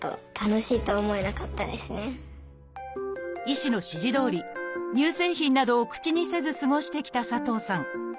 医師の指示どおり乳製品などを口にせず過ごしてきた佐藤さん。